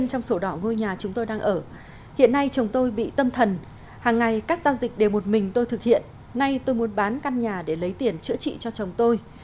các giao dịch đều một mình tôi thực hiện nay tôi muốn bán căn nhà để lấy tiền chữa trị cho chồng tôi